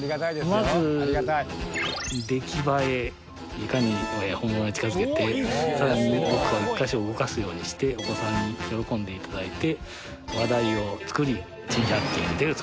いかに本物に近づけてさらにどこか１カ所動かすようにしてお子さんに喜んで頂いて話題を作り『珍百景』に出ると。